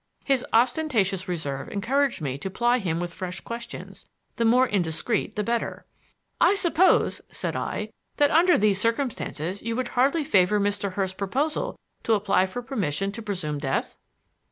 His ostentatious reserve encouraged me to ply him with fresh questions, the more indiscreet the better. "I suppose," said I, "that, under these circumstances, you would hardly favor Mr. Hurst's proposal to apply for permission to presume death?"